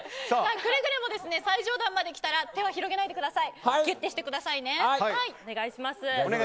くれぐれも最上段まで来たら手は広げないでください。